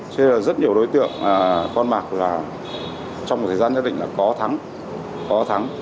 cho nên rất nhiều đối tượng con bạc trong một thời gian nhất định là có thắng